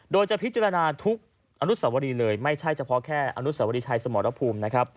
โดยจะพิจารณาทุกอรุณสวดีเลยไม่ใช่เฉพาะแค่อรุณสวดีชายสมรพภูมิ